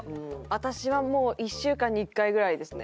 私はもう１週間に１回ぐらいですね。